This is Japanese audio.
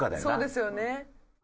そうですよね。